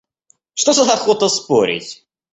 Что за охота спорить?